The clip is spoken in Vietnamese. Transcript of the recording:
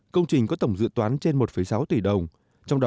công trình có tổng dự toán trên một sáu tỷ đồng